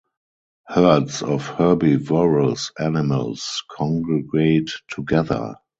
Herds of herbivorous animals congregate together.